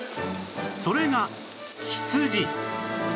それが羊